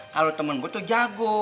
kalo temen gue tuh jago